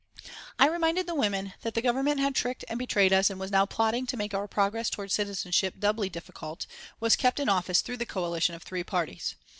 I reminded the women that the Government that had tricked and betrayed us and was now plotting to make our progress towards citizenship doubly difficult, was kept in office through the coalition of three parties.